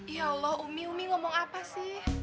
ya allah umi umi ngomong apa sih